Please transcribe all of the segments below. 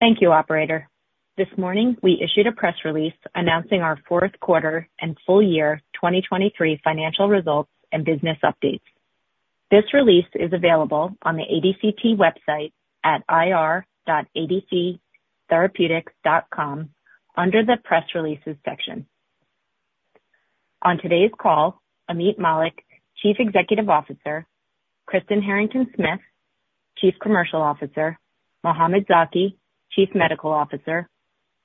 Thank you, operator. This morning we issued a press release announcing our fourth quarter and full year 2023 financial results and business updates. This release is available on the ADCT website at ir.adctherapeutics.com under the Press Releases section. On today's call, Ameet Mallik, Chief Executive Officer, Kristen Harrington-Smith, Chief Commercial Officer, Mohamed Zaki, Chief Medical Officer,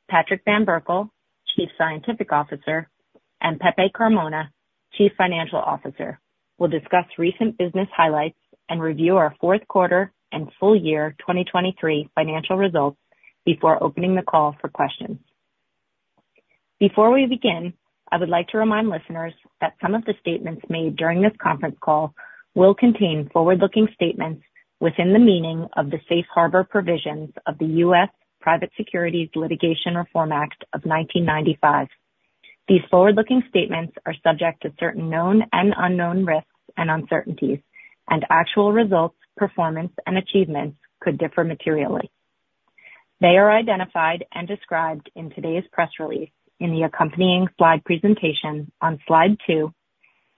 Patrick van Berkel, Chief Scientific Officer, and Pepe Carmona, Chief Financial Officer, will discuss recent business highlights and review our fourth quarter and full year 2023 financial results before opening the call for questions. Before we begin, I would like to remind listeners that some of the statements made during this conference call will contain forward-looking statements within the meaning of the Safe Harbor provisions of the U.S. Private Securities Litigation Reform Act of 1995. These forward-looking statements are subject to certain known and unknown risks and uncertainties, and actual results, performance, and achievements could differ materially. They are identified and described in today's press release in the accompanying slide presentation on slide two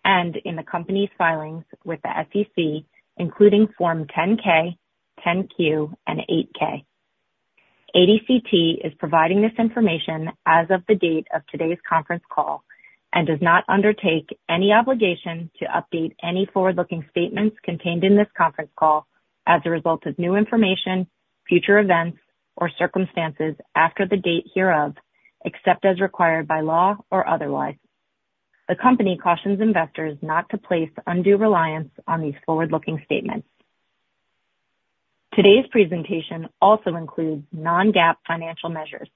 and in the company's filings with the SEC, including Form 10-K, 10-Q, and 8-K. ADCT is providing this information as of the date of today's conference call and does not undertake any obligation to update any forward-looking statements contained in this conference call as a result of new information, future events, or circumstances after the date hereof, except as required by law or otherwise. The company cautions investors not to place undue reliance on these forward-looking statements. Today's presentation also includes non-GAAP financial measures.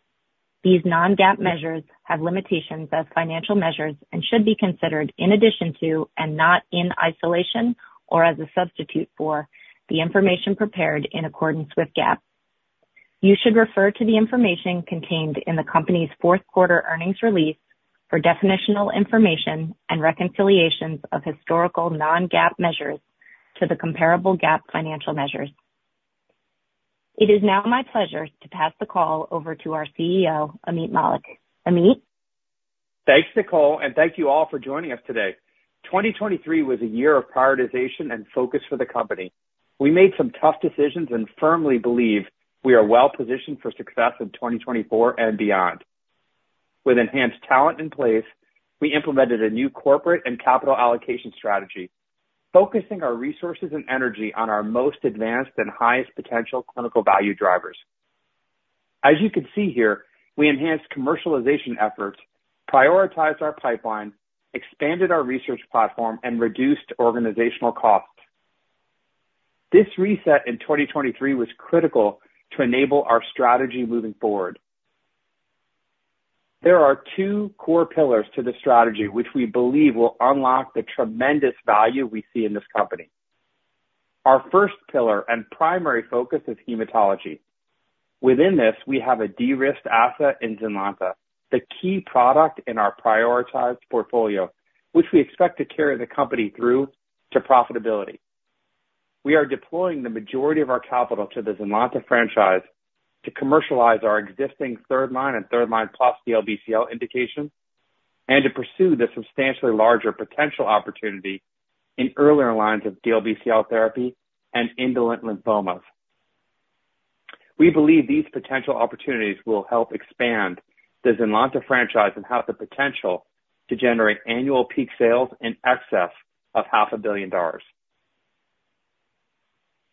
These non-GAAP measures have limitations as financial measures and should be considered in addition to and not in isolation or as a substitute for the information prepared in accordance with GAAP. You should refer to the information contained in the company's fourth quarter earnings release for definitional information and reconciliations of historical non-GAAP measures to the comparable GAAP financial measures. It is now my pleasure to pass the call over to our CEO, Ameet Mallik. Ameet? Thanks, Nicole, and thank you all for joining us today. 2023 was a year of prioritization and focus for the company. We made some tough decisions and firmly believe we are well-positioned for success in 2024 and beyond. With enhanced talent in place, we implemented a new corporate and capital allocation strategy, focusing our resources and energy on our most advanced and highest potential clinical value drivers. As you can see here, we enhanced commercialization efforts, prioritized our pipeline, expanded our research platform, and reduced organizational costs. This reset in 2023 was critical to enable our strategy moving forward. There are two core pillars to the strategy which we believe will unlock the tremendous value we see in this company. Our first pillar and primary focus is hematology. Within this, we have a de-risked asset in ZYNLONTA, the key product in our prioritized portfolio, which we expect to carry the company through to profitability. We are deploying the majority of our capital to the ZYNLONTA franchise to commercialize our existing third line and third line plus DLBCL indication, and to pursue the substantially larger potential opportunity in earlier lines of DLBCL therapy and indolent lymphomas. We believe these potential opportunities will help expand the ZYNLONTA franchise and have the potential to generate annual peak sales in excess of $500 million.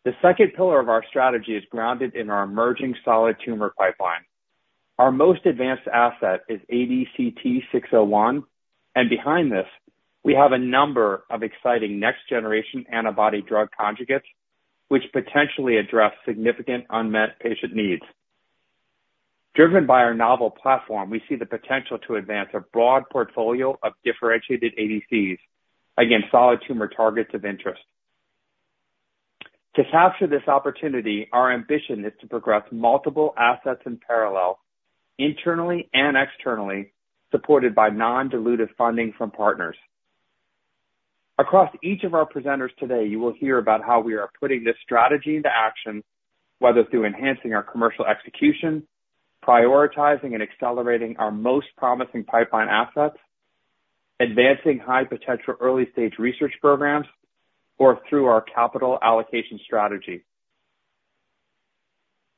The second pillar of our strategy is grounded in our emerging solid tumor pipeline. Our most advanced asset is ADCT-601, and behind this, we have a number of exciting next-generation antibody-drug conjugates which potentially address significant unmet patient needs. Driven by our novel platform, we see the potential to advance a broad portfolio of differentiated ADCs against solid tumor targets of interest. To capture this opportunity, our ambition is to progress multiple assets in parallel, internally and externally, supported by non-dilutive funding from partners. Across each of our presenters today, you will hear about how we are putting this strategy into action, whether through enhancing our commercial execution, prioritizing and accelerating our most promising pipeline assets, advancing high-potential early-stage research programs, or through our capital allocation strategy.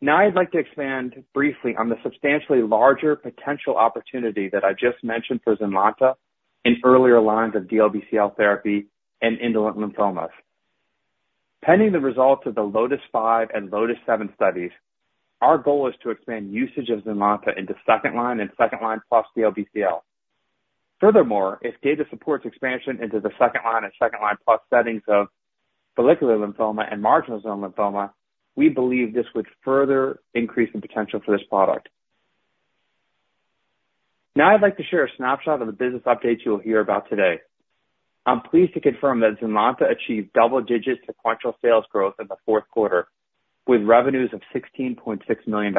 Now I'd like to expand briefly on the substantially larger potential opportunity that I just mentioned for ZYNLONTA in earlier lines of DLBCL therapy and indolent lymphomas. Pending the results of the LOTIS-5 and LOTIS-7 studies, our goal is to expand usage of ZYNLONTA into second line and second line plus DLBCL. Furthermore, if data supports expansion into the second line and second line plus settings of follicular lymphoma and marginal zone lymphoma, we believe this would further increase the potential for this product. Now I'd like to share a snapshot of the business updates you will hear about today. I'm pleased to confirm that ZYNLONTA achieved double-digit sequential sales growth in the fourth quarter, with revenues of $16.6 million.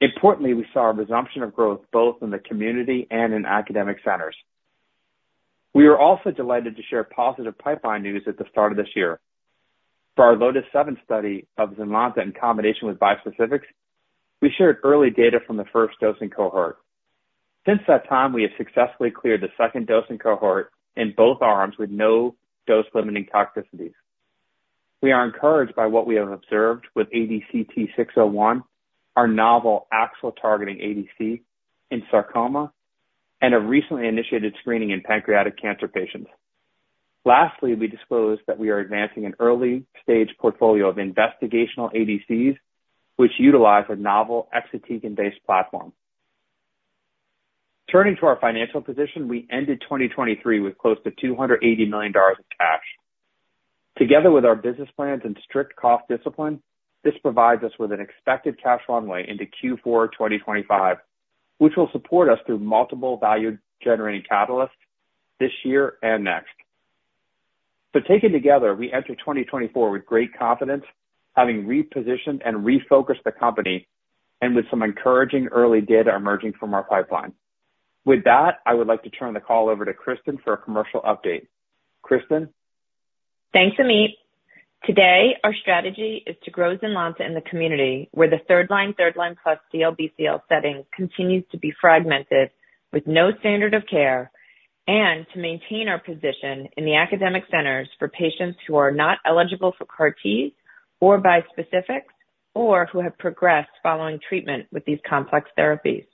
Importantly, we saw a resumption of growth both in the community and in academic centers. We are also delighted to share positive pipeline news at the start of this year. For our LOTIS-7 study of ZYNLONTA in combination with bispecifics, we shared early data from the first dosing cohort. Since that time, we have successfully cleared the second dosing cohort in both arms with no dose-limiting toxicities. We are encouraged by what we have observed with ADCT-601, our novel AXL-targeting ADC in sarcoma, and a recently initiated screening in pancreatic cancer patients. Lastly, we disclose that we are advancing an early-stage portfolio of investigational ADCs which utilize a novel exatecan-based platform. Turning to our financial position, we ended 2023 with close to $280 million in cash. Together with our business plans and strict cost discipline, this provides us with an expected cash runway into Q4 2025, which will support us through multiple value-generating catalysts this year and next. So taken together, we enter 2024 with great confidence, having repositioned and refocused the company, and with some encouraging early data emerging from our pipeline. With that, I would like to turn the call over to Kristen for a commercial update. Kristen? Thanks, Ameet. Today, our strategy is to grow ZYNLONTA in the community where the third line, third line plus DLBCL setting continues to be fragmented with no standard of care, and to maintain our position in the academic centers for patients who are not eligible for CAR-T or bispecifics or who have progressed following treatment with these complex therapies.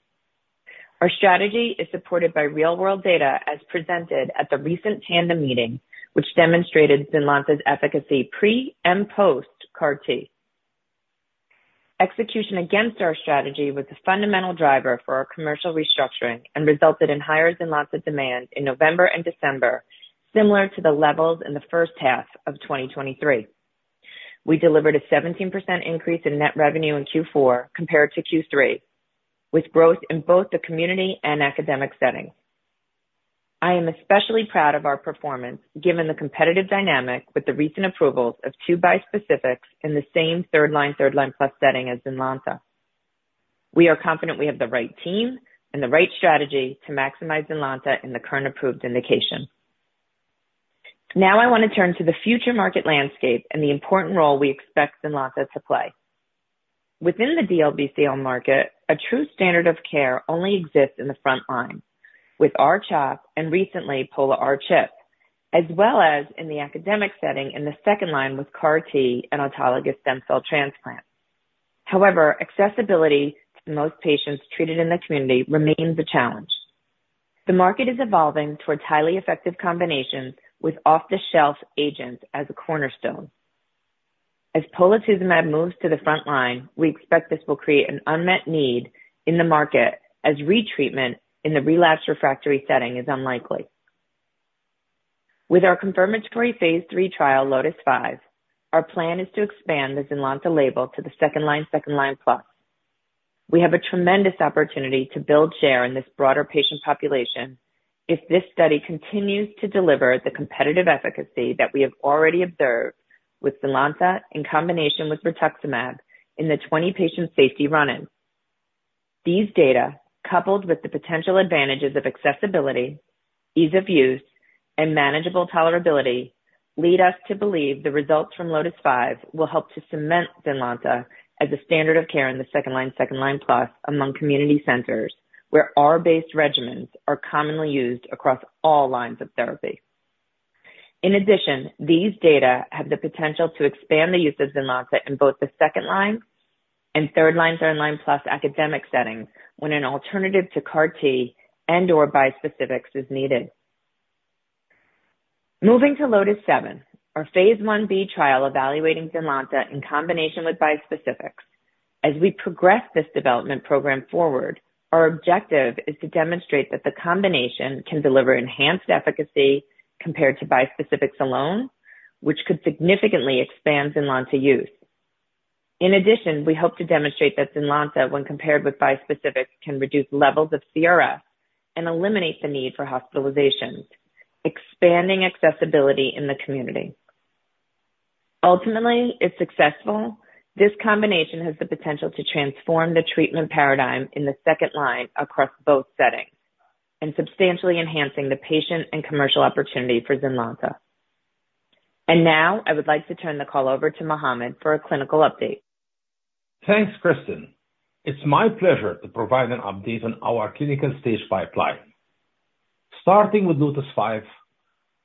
Our strategy is supported by real-world data as presented at the recent Tandem meeting, which demonstrated ZYNLONTA's efficacy pre and post CAR-T. Execution against our strategy was the fundamental driver for our commercial restructuring and resulted in higher ZYNLONTA demand in November and December, similar to the levels in the first half of 2023. We delivered a 17% increase in net revenue in Q4 compared to Q3, with growth in both the community and academic settings. I am especially proud of our performance given the competitive dynamic with the recent approvals of two bispecifics in the same third-line, third-line plus setting as ZYNLONTA. We are confident we have the right team and the right strategy to maximize ZYNLONTA in the current approved indication. Now I want to turn to the future market landscape and the important role we expect ZYNLONTA to play. Within the DLBCL market, a true standard of care only exists in the front line with R-CHOP and recently POLA-R-CHP, as well as in the academic setting in the second line with CAR-T and autologous stem cell transplants. However, accessibility to most patients treated in the community remains a challenge. The market is evolving towards highly effective combinations with off-the-shelf agents as a cornerstone. As polatuzumab moves to the front line, we expect this will create an unmet need in the market as retreatment in the relapsed refractory setting is unlikely. With our confirmatory phase III trial, LOTIS-5, our plan is to expand the ZYNLONTA label to the second line, second line plus. We have a tremendous opportunity to build share in this broader patient population if this study continues to deliver the competitive efficacy that we have already observed with ZYNLONTA in combination with rituximab in the 20-patient safety run-in. These data, coupled with the potential advantages of accessibility, ease of use, and manageable tolerability, lead us to believe the results from LOTIS-5 will help to cement ZYNLONTA as a standard of care in the second line, second line plus among community centers where R-based regimens are commonly used across all lines of therapy. In addition, these data have the potential to expand the use of ZYNLONTA in both the second line and third line, third line plus academic settings when an alternative to CAR-T and/or bispecifics is needed. Moving to LOTIS-7, our phase 1B trial evaluating ZYNLONTA in combination with bispecifics. As we progress this development program forward, our objective is to demonstrate that the combination can deliver enhanced efficacy compared to bispecifics alone, which could significantly expand ZYNLONTA use. In addition, we hope to demonstrate that ZYNLONTA, when compared with bispecifics, can reduce levels of CRS and eliminate the need for hospitalizations, expanding accessibility in the community. Ultimately, if successful, this combination has the potential to transform the treatment paradigm in the second line across both settings and substantially enhance the patient and commercial opportunity for ZYNLONTA. Now I would like to turn the call over to Mohamed for a clinical update. Thanks, Kristen. It's my pleasure to provide an update on our clinical stage pipeline. Starting with LOTIS-5,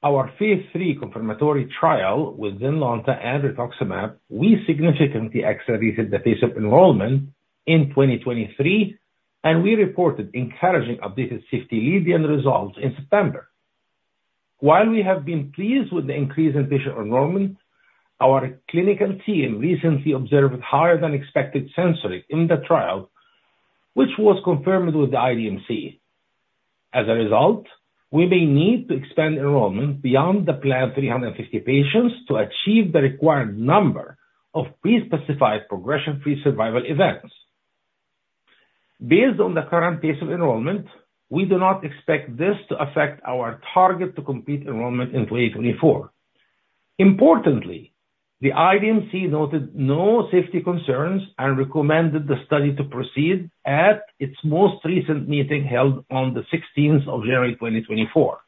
our phase III confirmatory trial with ZYNLONTA and rituximab, we significantly accelerated the pace of enrollment in 2023, and we reported encouraging updated safety lead-in results in September. While we have been pleased with the increase in patient enrollment, our clinical team recently observed higher-than-expected censoring in the trial, which was confirmed with the IDMC. As a result, we may need to expand enrollment beyond the planned 350 patients to achieve the required number of prespecified progression-free survival events. Based on the current pace of enrollment, we do not expect this to affect our target-to-complete enrollment in 2024. Importantly, the IDMC noted no safety concerns and recommended the study to proceed at its most recent meeting held on the 16th of January, 2024.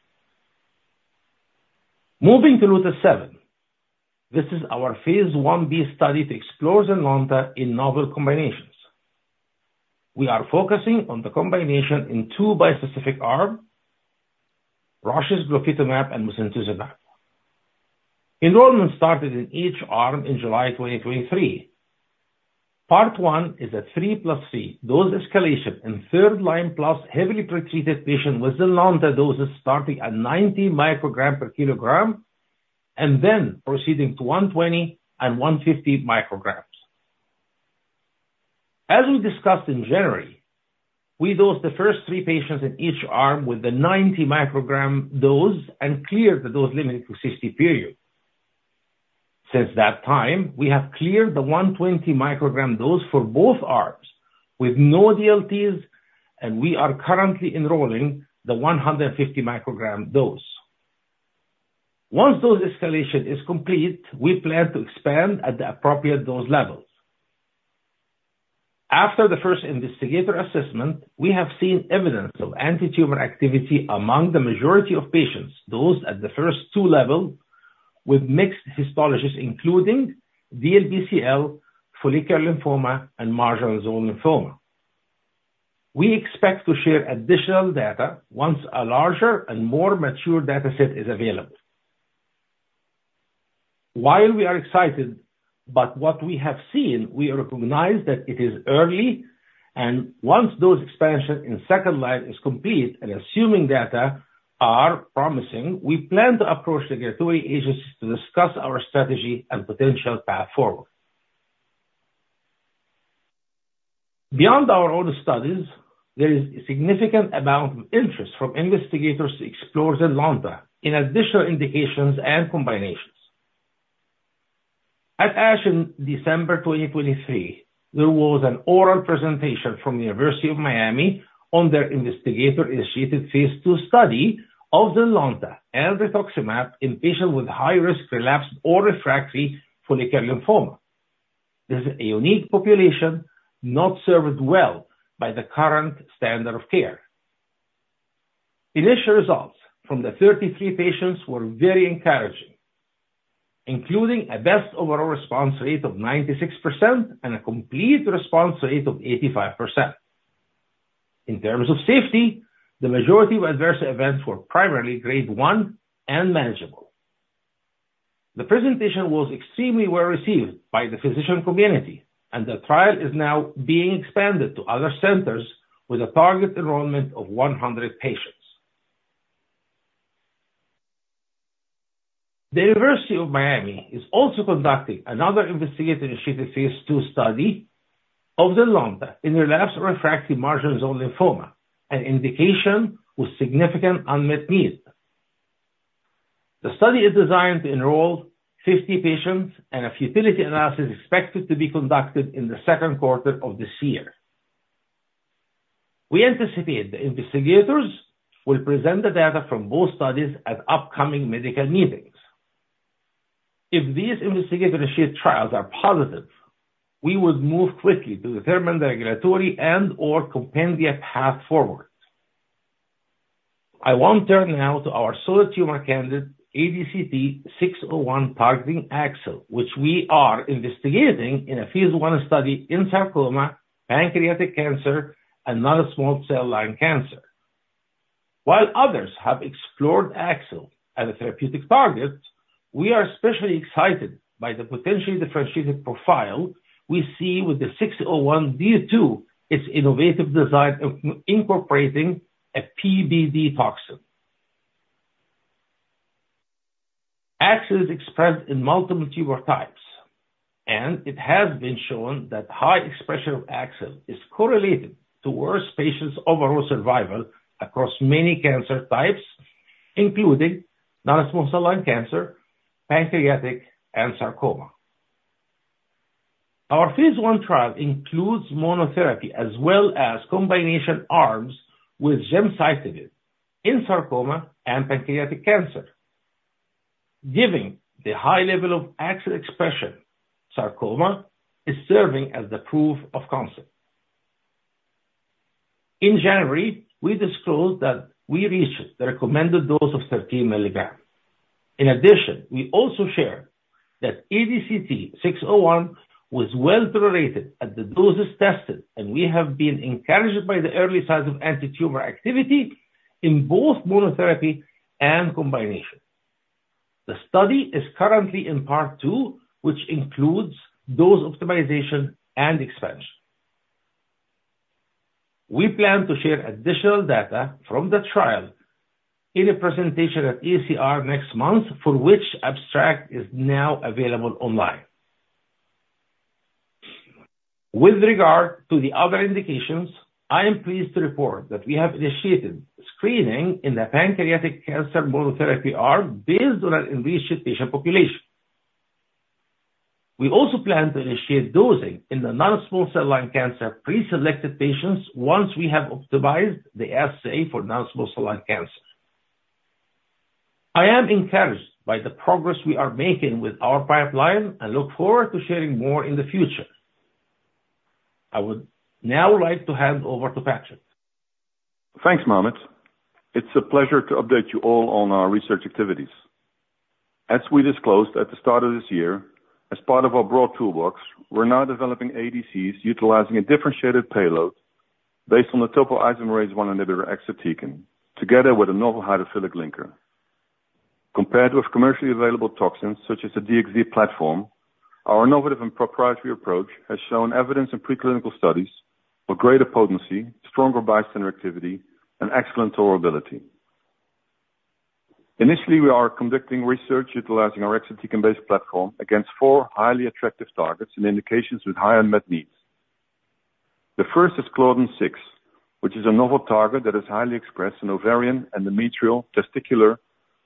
Moving to LOTIS-7, this is our phase 1B study to explore ZYNLONTA in novel combinations. We are focusing on the combination in two bispecific arms: Roche's glofitamab and mosunetuzumab. Enrollment started in each arm in July 2023. Part-1 is a 3+3 dose escalation in third line plus heavily pretreated patients with ZYNLONTA doses starting at 90 micrograms per kilogram and then proceeding to 120 and 150 micrograms. As we discussed in January, we dosed the first three patients in each arm with the 90 microgram dose and cleared the dose-limiting toxicity period. Since that time, we have cleared the 120 microgram dose for both arms with no DLTs, and we are currently enrolling the 150 microgram dose. Once dose escalation is complete, we plan to expand at the appropriate dose levels. After the first investigator assessment, we have seen evidence of antitumor activity among the majority of patients dosed at the first two levels with mixed histologies including DLBCL, follicular lymphoma, and marginal zone lymphoma. We expect to share additional data once a larger and more mature dataset is available. While we are excited about what we have seen, we recognize that it is early, and once dose expansion in second line is complete and assuming data are promising, we plan to approach regulatory agencies to discuss our strategy and potential path forward. Beyond our own studies, there is a significant amount of interest from investigators to explore ZYNLONTA in additional indications and combinations. At ASH in December 2023, there was an oral presentation from the University of Miami on their investigator-initiated phase II study of ZYNLONTA and rituximab in patients with high-risk relapsed or refractory follicular lymphoma. This is a unique population not served well by the current standard of care. Initial results from the 33 patients were very encouraging, including a best overall response rate of 96% and a complete response rate of 85%. In terms of safety, the majority of adverse events were primarily grade-1 and manageable. The presentation was extremely well received by the physician community, and the trial is now being expanded to other centers with a target enrollment of 100 patients. The University of Miami is also conducting another investigator-initiated phase II study of ZYNLONTA in relapsed or refractory marginal zone lymphoma, an indication with significant unmet need. The study is designed to enroll 50 patients, and a futility analysis is expected to be conducted in the second quarter of this year. We anticipate the investigators will present the data from both studies at upcoming medical meetings. If these investigator-initiated trials are positive, we would move quickly to determine the regulatory and/or compendia path forward. I want to turn now to our solid tumor candidate, ADCT-601 targeting AXL, which we are investigating in a phase I study in sarcoma, pancreatic cancer, and non-small cell lung cancer. While others have explored AXL as a therapeutic target, we are especially excited by the potentially differentiated profile we see with the 601, its innovative design incorporating a PBD toxin. AXL is expressed in multiple tumor types, and it has been shown that high expression of AXL is correlated to worse patients' overall survival across many cancer types, including non-small cell lung cancer, pancreatic, and sarcoma. Our phase I trial includes monotherapy as well as combination arms with gemcitabine in sarcoma and pancreatic cancer, given the high level of AXL expression. Sarcoma is serving as the proof of concept. In January, we disclosed that we reached the recommended dose of 13 milligrams. In addition, we also shared that ADCT-601 was well tolerated at the doses tested, and we have been encouraged by the early signs of antitumor activity in both monotherapy and combination. The study is currently in part-2, which includes dose optimization and expansion. We plan to share additional data from the trial in a presentation at AACR next month, for which abstract is now available online. With regard to the other indications, I am pleased to report that we have initiated screening in the pancreatic cancer monotherapy arm based on an enriched patient population. We also plan to initiate dosing in the non-small cell lung cancer preselected patients once we have optimized the assay for non-small cell lung cancer. I am encouraged by the progress we are making with our pipeline and look forward to sharing more in the future. I would now like to hand over to Patrick. Thanks, Mohamed. It's a pleasure to update you all on our research activities. As we disclosed at the start of this year, as part of our broad toolbox, we're now developing ADCs utilizing a differentiated payload based on the topoisomerase 1 inhibitor exatecan, together with a novel hydrophilic linker. Compared with commercially available toxins such as the DXd platform, our innovative and proprietary approach has shown evidence in preclinical studies for greater potency, stronger bystander sensitivity, and excellent tolerability. Initially, we are conducting research utilizing our exatecan-based platform against four highly attractive targets and indications with high unmet needs. The first is Claudin-6, which is a novel target that is highly expressed in ovarian, endometrial, testicular, and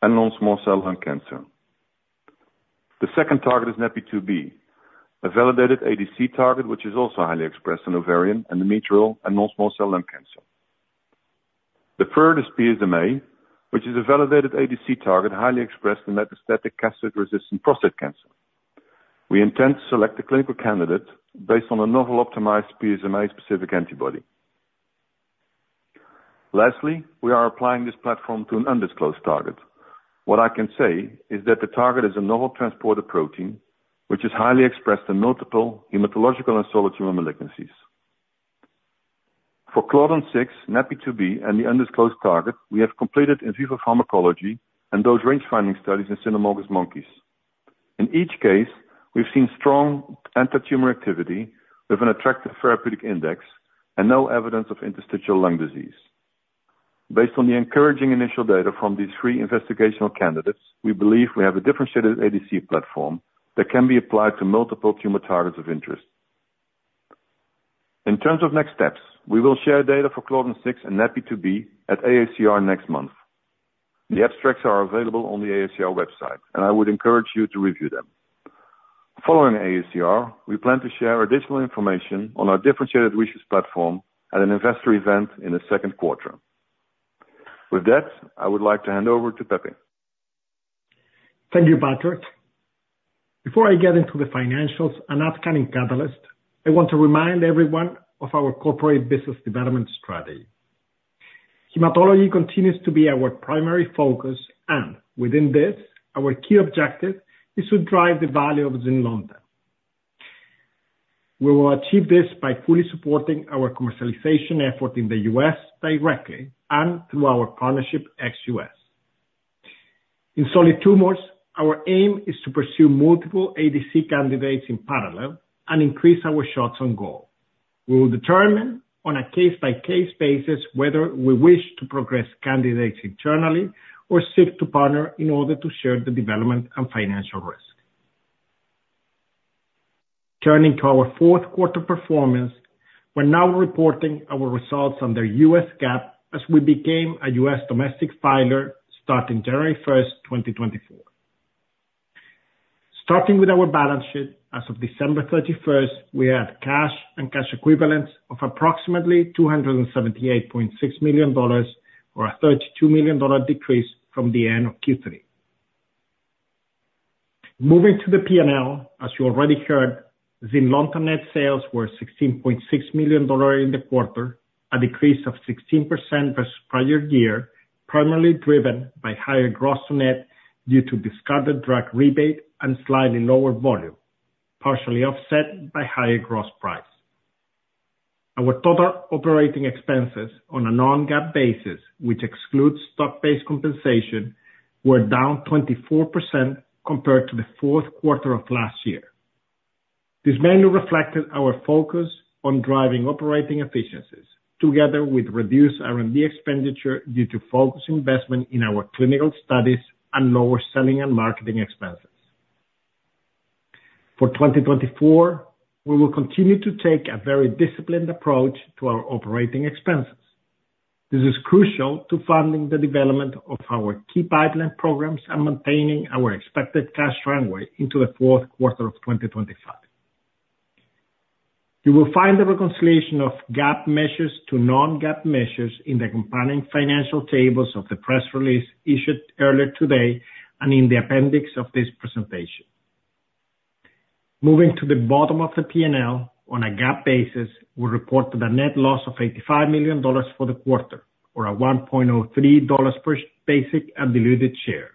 non-small cell lung cancer. The second target is NaPi2b, a validated ADC target which is also highly expressed in ovarian, endometrial, and non-small cell lung cancer. The third is PSMA, which is a validated ADC target highly expressed in metastatic castration-resistant prostate cancer. We intend to select a clinical candidate based on a novel optimized PSMA-specific antibody. Lastly, we are applying this platform to an undisclosed target. What I can say is that the target is a novel transporter protein which is highly expressed in multiple hematological and solid tumor malignancies. For Claudin-6, NaPi2b, and the undisclosed target, we have completed in vivo pharmacology and dose range finding studies in cynomolgus monkeys. In each case, we've seen strong antitumor activity with an attractive therapeutic index and no evidence of interstitial lung disease. Based on the encouraging initial data from these three investigational candidates, we believe we have a differentiated ADC platform that can be applied to multiple tumor targets of interest. In terms of next steps, we will share data for Claudin-6 and NaPi2b at AACR next month. The abstracts are available on the AACR website, and I would encourage you to review them. Following AACR, we plan to share additional information on our differentiated exatecan platform at an investor event in the second quarter. With that, I would like to hand over to Pepe. Thank you, Patrick. Before I get into the financials, an upcoming catalyst, I want to remind everyone of our corporate business development strategy. Hematology continues to be our primary focus, and within this, our key objective is to drive the value of ZYNLONTA. We will achieve this by fully supporting our commercialization effort in the US directly and through our partnership ex-US. In solid tumors, our aim is to pursue multiple ADC candidates in parallel and increase our shots on goal. We will determine, on a case-by-case basis, whether we wish to progress candidates internally or seek to partner in order to share the development and financial risk. Turning to our fourth quarter performance, we're now reporting our results on the US GAAP as we became a US domestic filer starting January 1st, 2024. Starting with our balance sheet, as of December 31st, we had cash and cash equivalents of approximately $278.6 million or a $32 million decrease from the end of Q3. Moving to the P&L, as you already heard, ZYNLONTA net sales were $16.6 million in the quarter, a decrease of 16% versus prior year, primarily driven by higher gross to net due to discarded drug rebate and slightly lower volume, partially offset by higher gross price. Our total operating expenses on a non-GAAP basis, which excludes stock-based compensation, were down 24% compared to the fourth quarter of last year. This mainly reflected our focus on driving operating efficiencies together with reduced R&D expenditure due to focused investment in our clinical studies and lower selling and marketing expenses. For 2024, we will continue to take a very disciplined approach to our operating expenses. This is crucial to funding the development of our key pipeline programs and maintaining our expected cash runway into the fourth quarter of 2025. You will find the reconciliation of GAAP measures to non-GAAP measures in the companion financial tables of the press release issued earlier today and in the appendix of this presentation. Moving to the bottom of the P&L, on a GAAP basis, we reported a net loss of $85 million for the quarter or a $1.03 per basic and diluted share.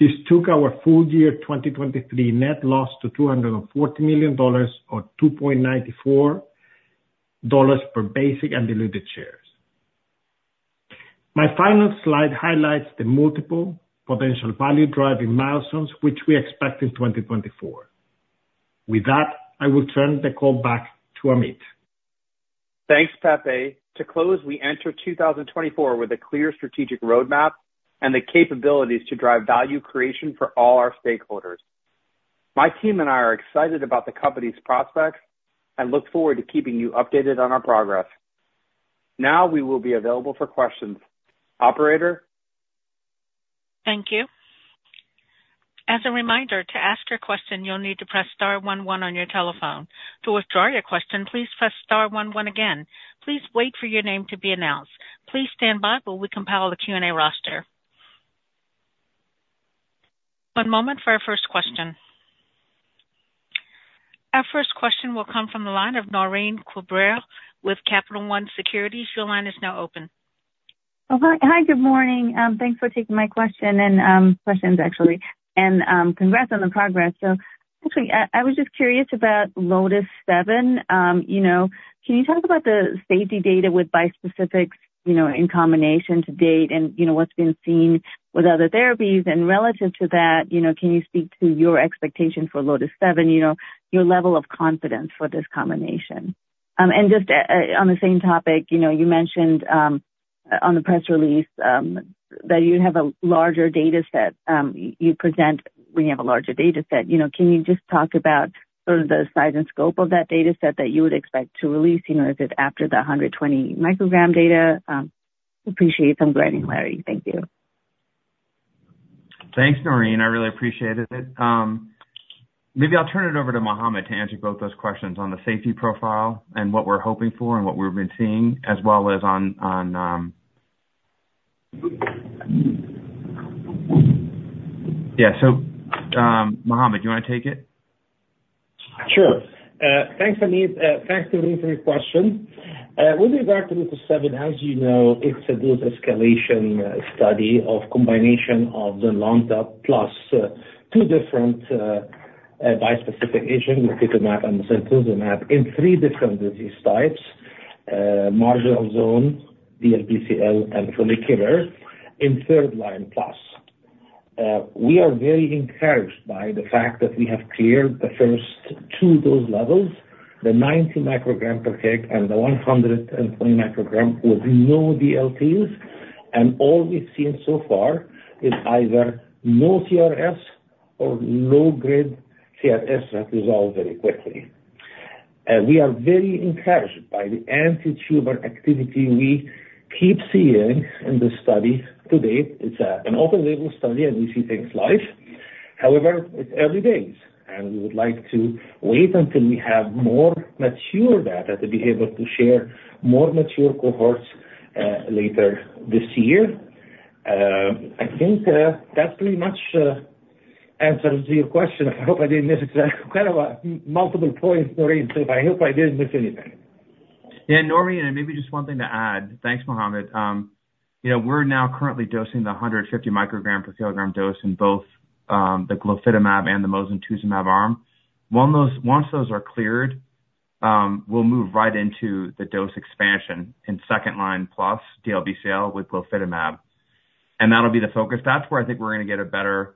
This took our full year 2023 net loss to $240 million or $2.94 per basic and diluted shares. My final slide highlights the multiple potential value-driving milestones which we expect in 2024. With that, I will turn the call back to Ameet. Thanks, Pepe. To close, we enter 2024 with a clear strategic roadmap and the capabilities to drive value creation for all our stakeholders. My team and I are excited about the company's prospects and look forward to keeping you updated on our progress. Now we will be available for questions. Operator? Thank you. As a reminder, to ask your question, you'll need to press star 11 on your telephone. To withdraw your question, please press star one one again. Please wait for your name to be announced. Please stand by while we compile the Q&A roster. One moment for our first question. Our first question will come from the line of Naureen Quibria with Capital One Securities. Your line is now open. Hi. Good morning. Thanks for taking my question and questions, actually, and congrats on the progress. So actually, I was just curious about LOTIS-7. Can you talk about the safety data with bispecifics in combination to date and what's been seen with other therapies? And relative to that, can you speak to your expectation for LOTIS-7, your level of confidence for this combination? And just on the same topic, you mentioned on the press release that you have a larger data set. You present when you have a larger data set. Can you just talk about sort of the size and scope of that data set that you would expect to release? Is it after the 120 microgram data? Appreciate some granularity. Thank you. Thanks, Naureen. I really appreciated it. Maybe I'll turn it over to Mohamed to answer both those questions on the safety profile and what we're hoping for and what we've been seeing, as well as on yeah. So Mohamed, do you want to take it? Sure. Thanks, Ameet. Thanks to Ameet for your question. With regard to LOTIS-7, as you know, it's a dose escalation study of combination of ZYNLONTA plus two different bispecific agents, the glofitamab and the mosunetuzumab, in three different disease types: marginal zone, DLBCL, and follicular, in third line plus. We are very encouraged by the fact that we have cleared the first two dose levels, the 90 microgram per kg and the 120 microgram with no DLTs. All we've seen so far is either no CRS or low-grade CRS that resolve very quickly. We are very encouraged by the antitumor activity we keep seeing in the study to date. It's an open-label study, and we see things live. However, it's early days, and we would like to wait until we have more mature data to be able to share more mature cohorts later this year. I think that's pretty much answered your question. I hope I didn't miss exactly kind of multiple points, Naureen. So I hope I didn't miss anything. Yeah. Naureen, and maybe just one thing to add. Thanks, Mohamed. We're now currently dosing the 150 microgram per kilogram dose in both the glofitamab and the mosunetuzumab arm. Once those are cleared, we'll move right into the dose expansion in second line plus DLBCL with glofitamab. And that'll be the focus. That's where I think we're going to get a better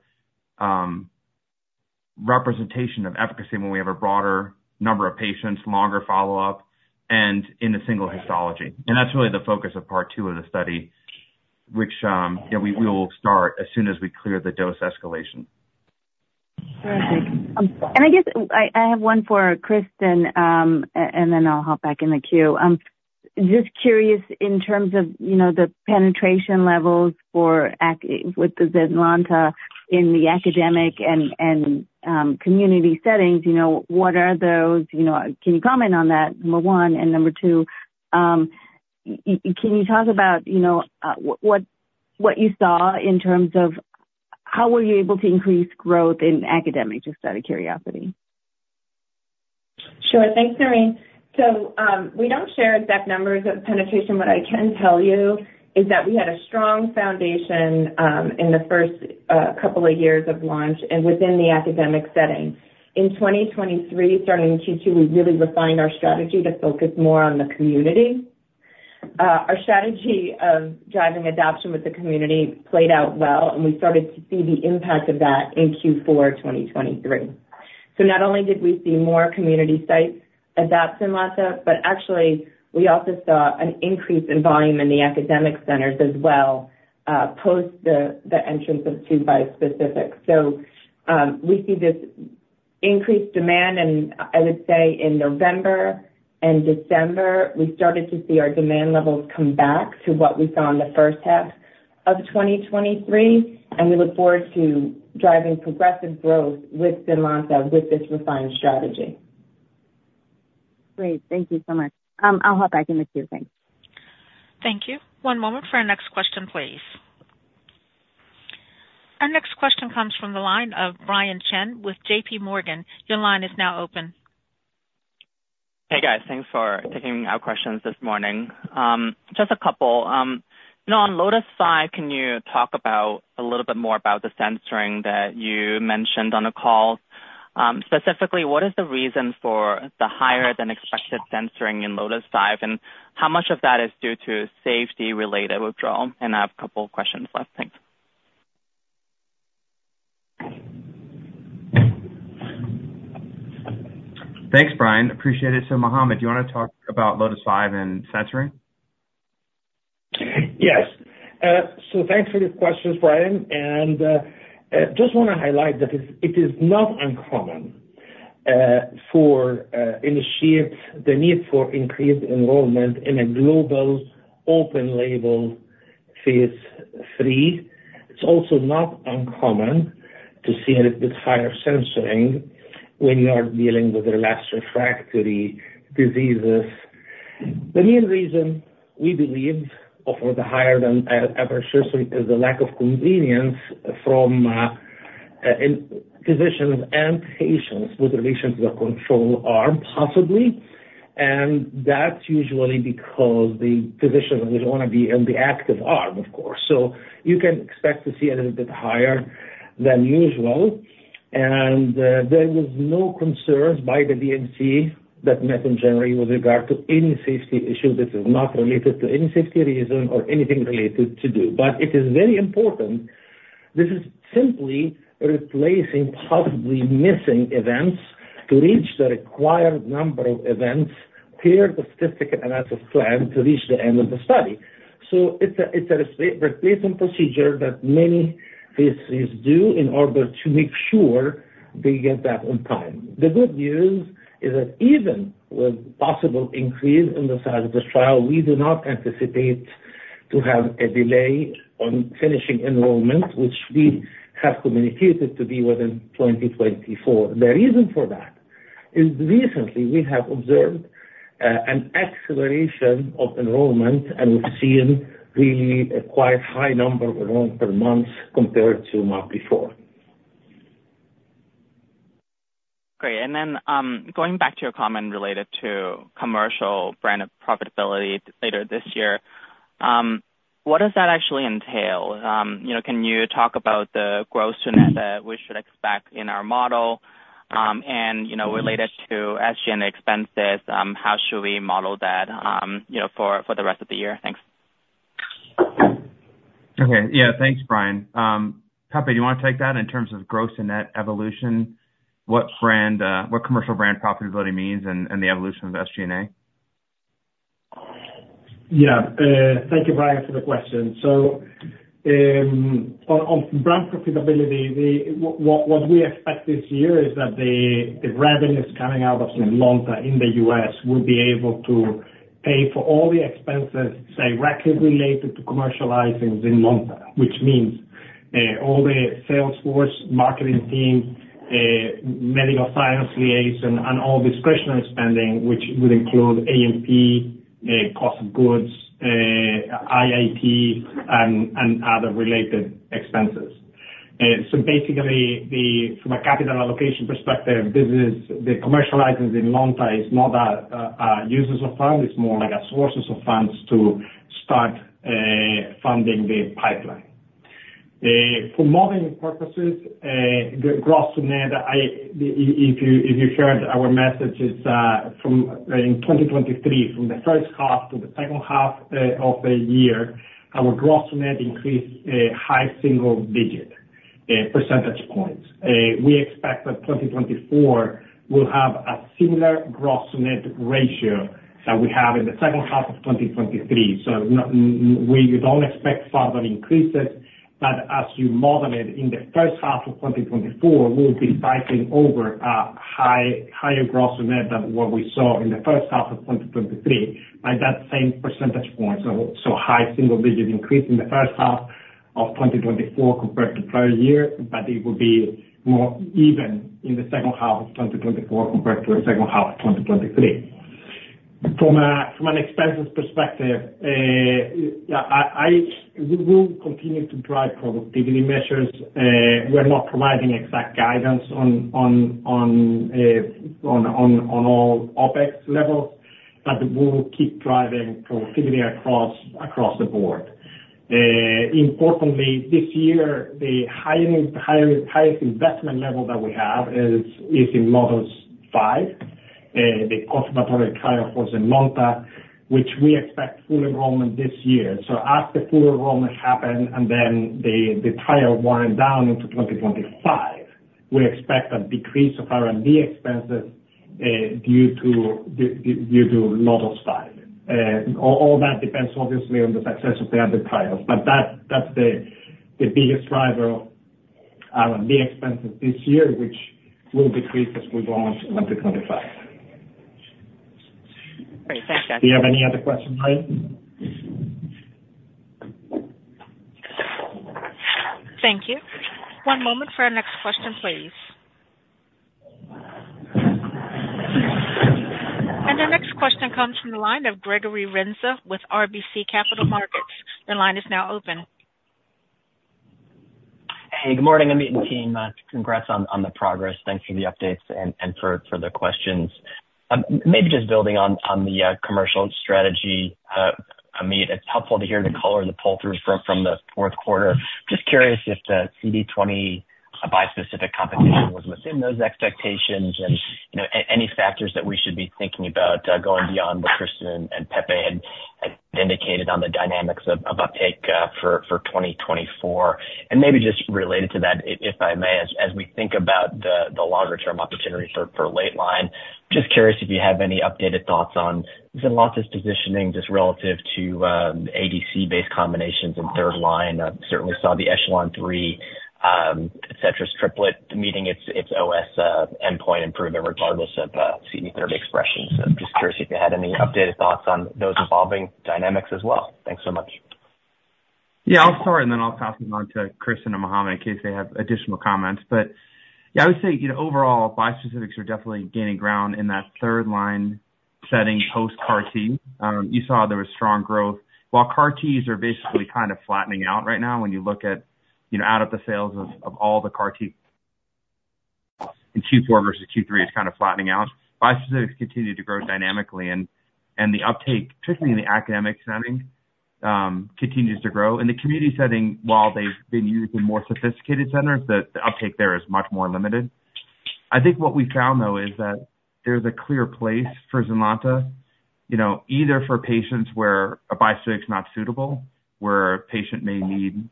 representation of efficacy when we have a broader number of patients, longer follow-up, and in the single histology. And that's really the focus of part two of the study, which we will start as soon as we clear the dose escalation. Perfect. I guess I have one for Kristen, and then I'll hop back in the queue. Just curious, in terms of the penetration levels with the ZYNLONTA in the academic and community settings, what are those? Can you comment on that, number one? And number two, can you talk about what you saw in terms of how were you able to increase growth in academics, just out of curiosity? Sure. Thanks, Naureen. So we don't share exact numbers of penetration. What I can tell you is that we had a strong foundation in the first couple of years of launch and within the academic setting. In 2023, starting in Q2, we really refined our strategy to focus more on the community. Our strategy of driving adoption with the community played out well, and we started to see the impact of that in Q4 2023. So not only did we see more community sites adopt ZYNLONTA, but actually, we also saw an increase in volume in the academic centers as well post the entrance of two bispecifics. So we see this increased demand. And I would say in November and December, we started to see our demand levels come back to what we saw in the first half of 2023. We look forward to driving progressive growth with ZYNLONTA with this refined strategy. Great. Thank you so much. I'll hop back in the queue. Thanks. Thank you. One moment for our next question, please. Our next question comes from the line of Brian Cheng with JP Morgan. Your line is now open. Hey, guys. Thanks for taking our questions this morning. Just a couple. On LOTIS-5, can you talk a little bit more about the censoring that you mentioned on the call? Specifically, what is the reason for the higher-than-expected censoring in LOTIS-5, and how much of that is due to safety-related withdrawal? And I have a couple of questions left. Thanks. Thanks, Brian. Appreciate it. So Mohamed, do you want to talk about LOTIS-5 and censoring? Yes. So thanks for these questions, Brian. And I just want to highlight that it is not uncommon for initiates the need for increased enrollment in a global open-label phase III. It's also not uncommon to see a little bit higher censoring when you are dealing with relapsed refractory diseases. The main reason, we believe, for the higher-than-ever censoring is the lack of convenience from physicians and patients with relation to the control arm, possibly. And that's usually because the physicians don't want to be in the active arm, of course. So you can expect to see a little bit higher than usual. And there was no concern by the DMC that met in January with regard to any safety issue. This is not related to any safety reason or anything related to do. But it is very important. This is simply replacing, possibly missing events to reach the required number of events per the statistical analysis plan to reach the end of the study. So it's a replacement procedure that many pharmacies do in order to make sure they get that on time. The good news is that even with possible increase in the size of this trial, we do not anticipate to have a delay on finishing enrollment, which we have communicated to be within 2024. The reason for that is recently, we have observed an acceleration of enrollment, and we've seen really a quite high number of enrollment per month compared to month before. Great. Then going back to your comment related to commercial brand profitability later this year, what does that actually entail? Can you talk about the gross to net that we should expect in our model? And related to SG&A expenses, how should we model that for the rest of the year? Thanks. Okay. Yeah. Thanks, Brian. Pepe, do you want to take that in terms of gross to net evolution, what commercial brand profitability means and the evolution of SG&A? Yeah. Thank you, Brian, for the question. So on brand profitability, what we expect this year is that the revenues coming out of ZYNLONTA in the US will be able to pay for all the expenses, say, directly related to commercializing ZYNLONTA, which means all the sales force marketing team, medical science liaison, and all discretionary spending, which would include A&P, cost of goods, IIT, and other related expenses. So basically, from a capital allocation perspective, the commercializing ZYNLONTA is not a usage of funds. It's more like a sources of funds to start funding the pipeline. For modeling purposes, gross to net, if you heard our messages in 2023, from the first half to the second half of the year, our gross to net increased high single-digit percentage points. We expect that 2024 will have a similar gross to net ratio that we have in the second half of 2023. So we don't expect further increases. But as you model it in the first half of 2024, we'll be cycling over a higher gross to net than what we saw in the first half of 2023 by that same percentage point. So high single-digit increase in the first half of 2024 compared to prior year, but it will be more even in the second half of 2024 compared to the second half of 2023. From an expenses perspective, we will continue to drive productivity measures. We're not providing exact guidance on all OpEx levels, but we will keep driving productivity across the board. Importantly, this year, the highest investment level that we have is in LOTIS-5, the confirmatory trial for ZYNLONTA, which we expect full enrollment this year. So as the full enrollment happens and then the trial winds down into 2025, we expect a decrease of R&D expenses due to LOTIS-5. All that depends, obviously, on the success of the other trials. But that's the biggest driver of R&D expenses this year, which will decrease as we go on to 2025. Great. Thanks, guys. Do you have any other questions, Brian? Thank you. One moment for our next question, please. Our next question comes from the line of Gregory Renza with RBC Capital Markets. Your line is now open. Hey. Good morning, Ameet and team. Congrats on the progress. Thanks for the updates and for the questions. Maybe just building on the commercial strategy, Ameet, it's helpful to hear the color of the pull-through from the fourth quarter. Just curious if the CD20 bispecific competition was within those expectations and any factors that we should be thinking about going beyond what Kristen and Pepe had indicated on the dynamics of uptake for 2024. And maybe just related to that, if I may, as we think about the longer-term opportunity for late line, just curious if you have any updated thoughts on ZYNLONTA's positioning just relative to ADC-based combinations in third line? Certainly saw the ECHELON-3, etc., triplet meeting its OS endpoint improvement regardless of CD30 expression. So just curious if you had any updated thoughts on those evolving dynamics as well. Thanks so much. Yeah. I'll start, and then I'll pass it on to Kristen and Mohamed in case they have additional comments. But yeah, I would say overall, bispecifics are definitely gaining ground in that third line setting post-CAR-T. You saw there was strong growth. While CAR-Ts are basically kind of flattening out right now when you look at overall sales of all the CAR-T in Q4 versus Q3, it's kind of flattening out. Bispecifics continue to grow dynamically, and the uptake, particularly in the academic setting, continues to grow. In the community setting, while they've been used in more sophisticated centers, the uptake there is much more limited. I think what we found, though, is that there's a clear place for ZYNLONTA either for patients where a bispecific is not suitable, where a patient may need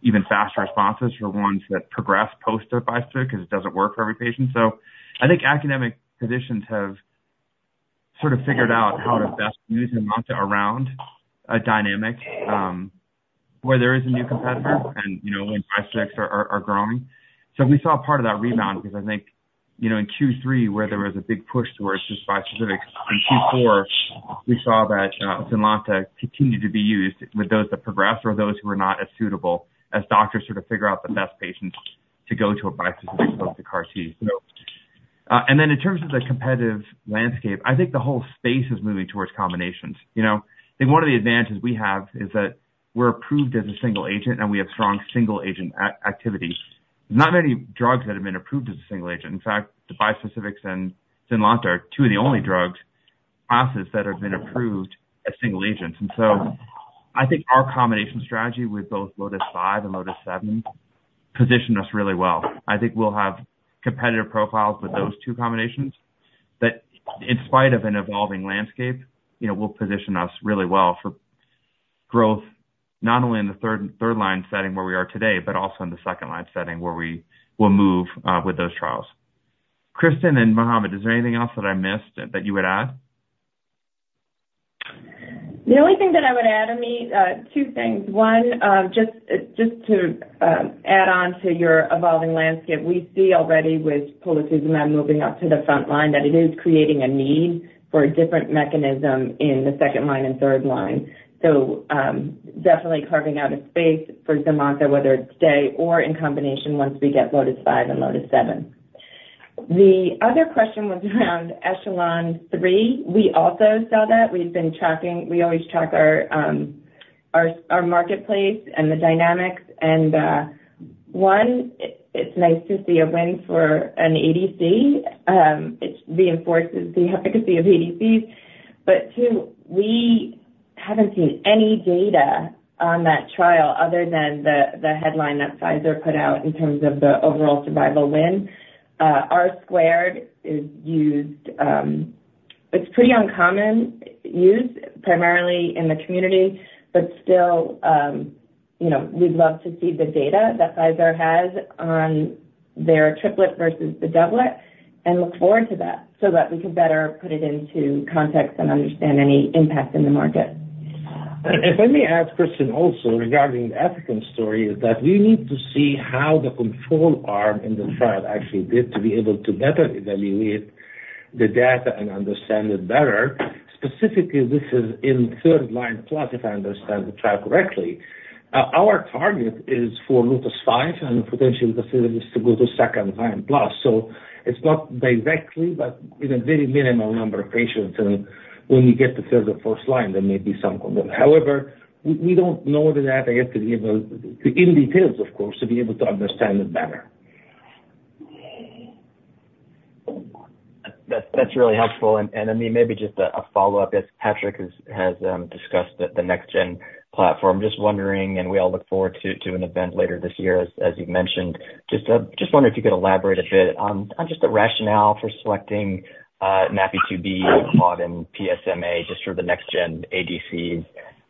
even faster responses for ones that progress post-a bispecific because it doesn't work for every patient. So I think academic physicians have sort of figured out how to best use ZYNLONTA around a dynamic where there is a new competitor and when bispecifics are growing. So we saw part of that rebound because I think in Q3, where there was a big push towards just bispecifics, in Q4, we saw that ZYNLONTA continued to be used with those that progressed or those who were not as suitable as doctors sort of figure out the best patients to go to a bispecific post-CAR-T. And then in terms of the competitive landscape, I think the whole space is moving towards combinations. I think one of the advantages we have is that we're approved as a single agent, and we have strong single-agent activity. There's not many drugs that have been approved as a single agent. In fact, the bispecifics and ZYNLONTA are two of the only drug classes that have been approved as single agents. And so I think our combination strategy with both LOTIS-5 and LOTIS-7 positioned us really well. I think we'll have competitive profiles with those two combinations that, in spite of an evolving landscape, will position us really well for growth not only in the third line setting where we are today, but also in the second line setting where we will move with those trials. Kristen and Mohamed, is there anything else that I missed that you would add? The only thing that I would add, Ameet, two things. One, just to add on to your evolving landscape, we see already with polatuzumab vedotin moving up to the front line that it is creating a need for a different mechanism in the second line and third line. So definitely carving out a space for ZYNLONTA, whether it stay or in combination once we get LOTIS-5 and LOTIS-7. The other question was around ECHELON-3. We also saw that. We always track our marketplace and the dynamics. And one, it's nice to see a win for an ADC. It reinforces the efficacy of ADCs. But two, we haven't seen any data on that trial other than the headline that Pfizer put out in terms of the overall survival win. R-squared is used. It's pretty uncommon use, primarily in the community, but still, we'd love to see the data that Pfizer has on their triplet versus the doublet and look forward to that so that we can better put it into context and understand any impact in the market. If I may ask Kristen also regarding the efficacy story, is that we need to see how the control arm in the trial actually did to be able to better evaluate the data and understand it better. Specifically, this is in third line plus, if I understand the trial correctly. Our target is for LOTIS-5, and potentially, the thing is to go to second line plus. So it's not directly, but in a very minimal number of patients. When you get to third or fourth line, there may be some control. However, we don't know the data yet to be able to in detail, of course, to be able to understand it better. That's really helpful. And Ameet, maybe just a follow-up. Patrick has discussed the next-gen platform. Just wondering, and we all look forward to an event later this year, as you've mentioned. Just wondering if you could elaborate a bit on just the rationale for selecting NaPi2b, Claudin-6, and PSMA just for the next-gen ADCs.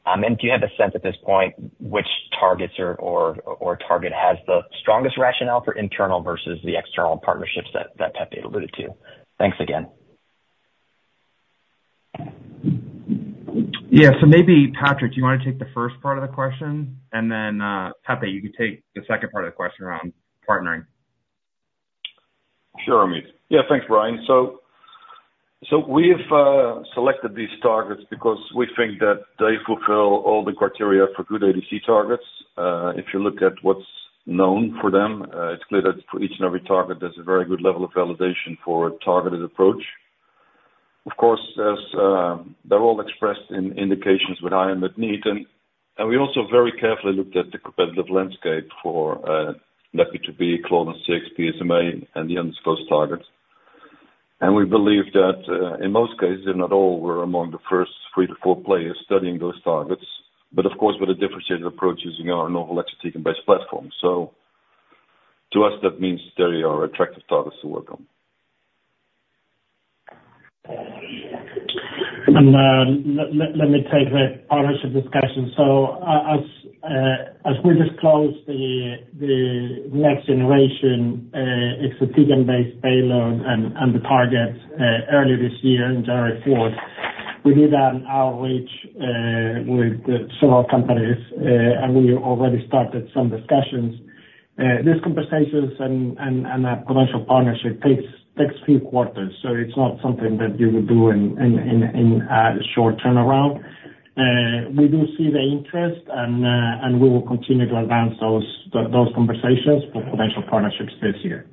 And do you have a sense at this point which targets or target has the strongest rationale for internal versus the external partnerships that Pepe alluded to? Thanks again. Yeah. So maybe, Patrick, do you want to take the first part of the question? And then, Pepe, you could take the second part of the question around partnering. Sure, Ameet. Yeah. Thanks, Brian. So we have selected these targets because we think that they fulfill all the criteria for good ADC targets. If you look at what's known for them, it's clear that for each and every target, there's a very good level of validation for a targeted approach. Of course, they're all expressed in indications with high unmet need. And we also very carefully looked at the competitive landscape for NaPi2b, Claudin-6, PSMA, and the other targets. And we believe that in most cases, if not all, we're among the first three to four players studying those targets, but of course, with a differentiated approach using our novel exatecan-based platform. So to us, that means there are attractive targets to work on. Let me take the partnership discussion. As we disclosed the next-generation exatecan-based payload and the targets earlier this year, in January 4th, we did an outreach with several companies, and we already started some discussions. These conversations and a potential partnership takes few quarters, so it's not something that you would do in a short turnaround. We do see the interest, and we will continue to advance those conversations for potential partnerships this year.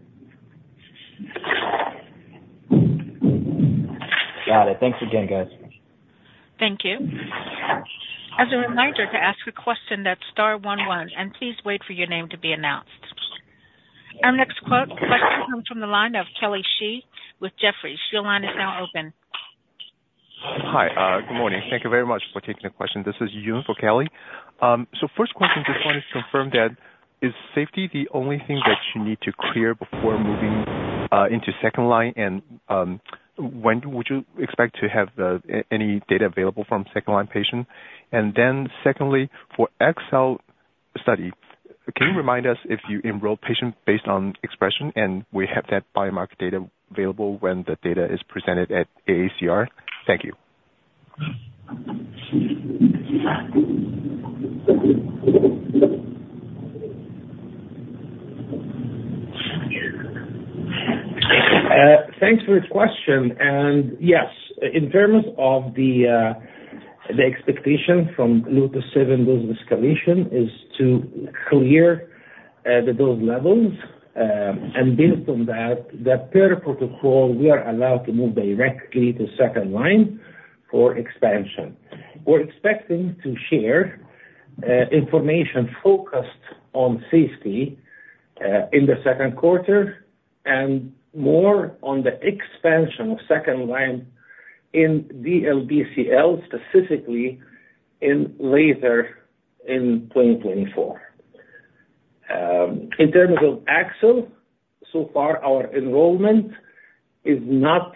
Got it. Thanks again, guys. Thank you. As a reminder, to ask a question, that's star 11, and please wait for your name to be announced. Our next question comes from the line of Kelly Shi with Jefferies. Shi, your line is now open. Hi. Good morning. Thank you very much for taking the question. This is Yong for Kelly. So first question, just wanted to confirm that is safety the only thing that you need to clear before moving into second line? And when would you expect to have any data available from second-line patients? And then secondly, for AXL study, can you remind us if you enroll patients based on expression, and we have that biomarker data available when the data is presented at AACR? Thank you. Thanks for the question. Yes, in terms of the expectation from LOTIS-7, those escalations is to clear those levels. Based on that, per protocol, we are allowed to move directly to second line for expansion. We're expecting to share information focused on safety in the second quarter and more on the expansion of second line in DLBCL, specifically later in 2024. In terms of AXL, so far, our enrollment is not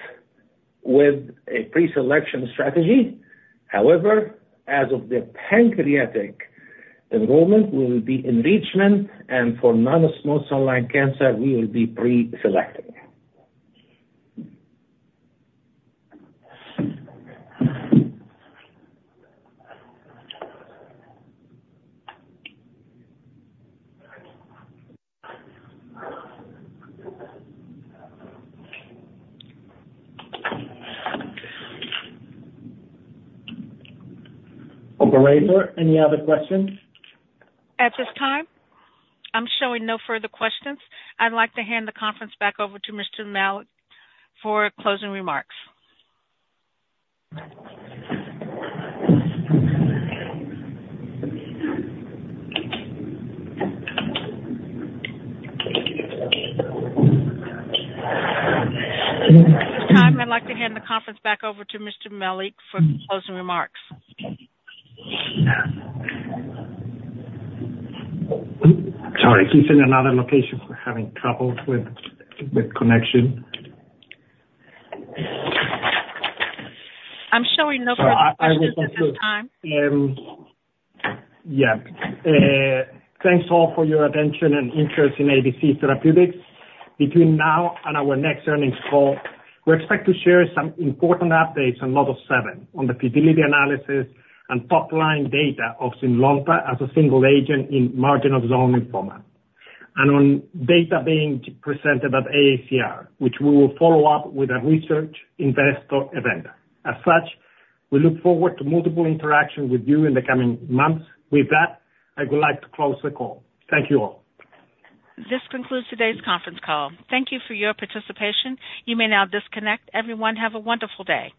with a preselection strategy. However, as of the pancreatic enrollment, we will be enrichment, and for non-small cell lung cancer, we will be preselecting. Operator, any other questions? At this time, I'm showing no further questions. I'd like to hand the conference back over to Mr. Mallik for closing remarks. At this time, I'd like to hand the conference back over to Mr. Mallik for closing remarks. Sorry. He's in another location for having trouble with connection. I'm showing no further questions at this time. Yeah. Thanks all for your attention and interest in ADC Therapeutics. Between now and our next earnings call, we expect to share some important updates on LOTIS-7, on the futility analysis and top-line data of ZYNLONTA as a single agent in marginal zone lymphoma, and on data being presented at AACR, which we will follow up with a research investor event. As such, we look forward to multiple interactions with you in the coming months. With that, I would like to close the call. Thank you all. This concludes today's conference call. Thank you for your participation. You may now disconnect. Everyone, have a wonderful day.